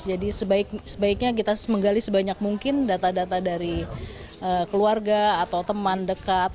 jadi sebaiknya kita menggali sebanyak mungkin data data dari keluarga atau teman dekat